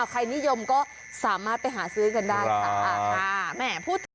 ใครนิยมก็สามารถไปหาซื้อกันได้ค่ะ